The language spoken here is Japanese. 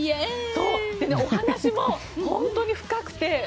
で、お話も本当に深くて。